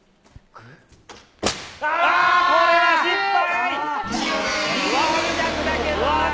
これは失敗。